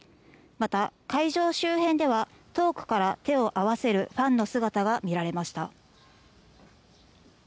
また、会場周辺では遠くから手を合わせるファンの姿がみられました。